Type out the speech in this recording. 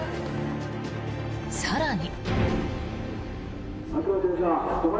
更に。